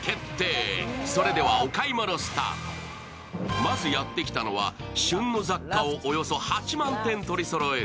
まずやって来たのは旬の雑貨をおよそ８万件取りそろえる